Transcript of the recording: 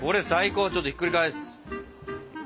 ちょっとひっくり返す。